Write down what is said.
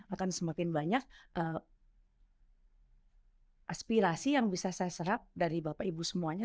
akan semakin banyak aspirasi yang bisa saya serap dari bapak ibu semuanya